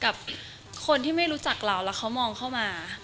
กับคนที่ไม่รู้จักเราแล้วเขามองเข้ามา